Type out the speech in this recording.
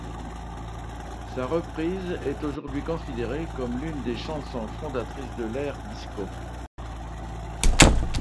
Sa reprise est aujourd’hui considérée comme l’une des chansons fondatrices de l’ère disco.